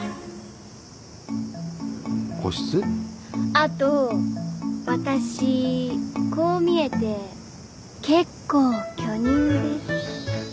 あと私こう見えて結構巨乳です。